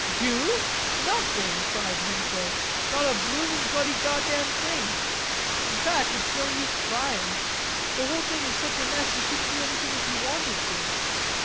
"Do? Nothing," cried Henslowe. "Not a blooming bloody goddam thing! In fact, it's no use trying... the whole thing is such a mess you couldn't do anything if you wanted to."